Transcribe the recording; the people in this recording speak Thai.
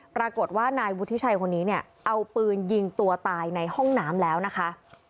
ปรากฏว่านายวุฒิชัยคนนี้เนี่ยเอาปืนยิงตัวตายในห้องน้ำแล้วนะคะ